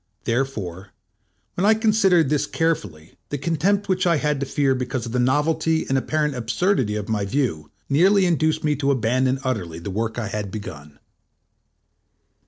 Therefore, when I considered this carefully, the contempt which I had to fear because of the novelty and apparent absurdity of my view, nearly induced me to abandon utterly the work I had begun.